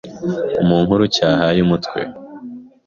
mu nkuru cyahaye umutwe